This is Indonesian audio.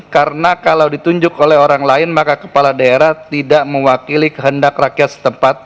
karena kalau ditunjuk oleh orang lain maka kepala daerah tidak mewakili kehendak rakyat setempat